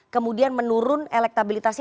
kemudian menurun elektabilitasnya